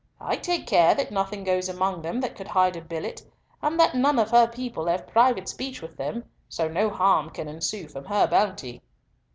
I take care that nothing goes among them that could hide a billet, and that none of her people have private speech with them, so no harm can ensue from her bounty."